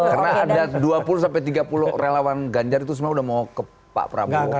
karena ada dua puluh tiga puluh relawan ganjar itu semua udah mau ke pak prabowo